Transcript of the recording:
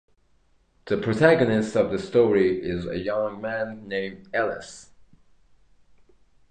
The protagonist of the story is a young man named Ellis.